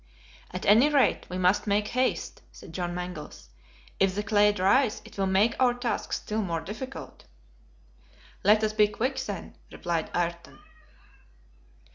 "At any rate, we must make haste," said John Mangles. "If the clay dries, it will make our task still more difficult." "Let us be quick, then," replied Ayrton.